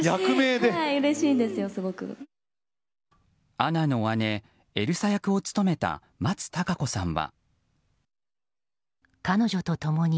アナの姉・エルサ役を務めた松たか子さんは。